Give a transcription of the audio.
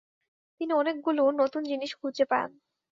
তিনি অনেকগুলো নতুন জিনিস খুঁজে পান।